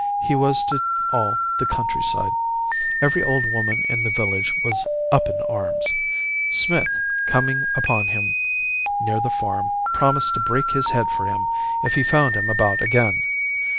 he was to all the countryside. Every old woman in the village was up in arms. Smith, coming upon him near the farm, promised to break his head for him if he found him about again.